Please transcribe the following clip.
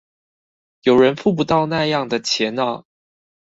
有人付不到那樣的錢啊